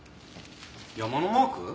山のマーク？